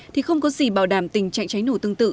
thì không có gì bảo đảm tình trạng cháy nổ tương tự